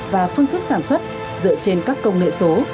và phương thức sản xuất dựa trên các công nghệ số